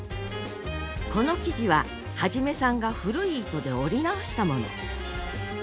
この生地は元さんが古い糸で織り直したもの。